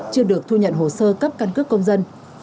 chưa được thu nhận hồ sơ cấp căn cước công dân